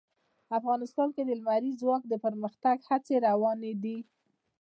افغانستان کې د لمریز ځواک د پرمختګ هڅې روانې دي.